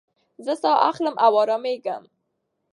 زه ساه اخلم او ارامېږم.